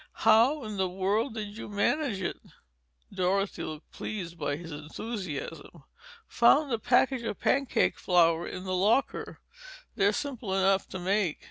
How in the world did you manage it?" Dorothy laughed, pleased by his enthusiasm. "Found a package of pancake flour in the locker. They're simple enough to make.